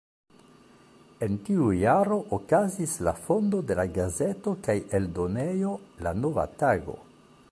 En tiu jaro okazis la fondo de la gazeto kaj eldonejo "La Nova Tago".